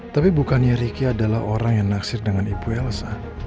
tapi bukannya ricky adalah orang yang naksir dengan ibu elsa